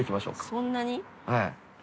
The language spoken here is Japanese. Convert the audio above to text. そんなに？